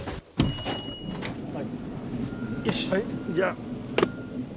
よしじゃあ。